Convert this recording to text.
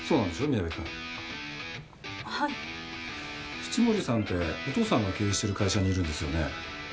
淵森さんってお父さんが経営してる会社にいるんですよね？